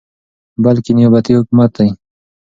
بلكې نيابتي حكومت دى ،